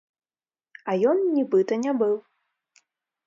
А ён, нібыта, не быў.